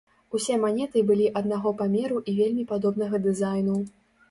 Усе манеты былі аднаго памеру і вельмі падобнага дызайну.